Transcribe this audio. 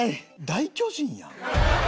「大巨人やん」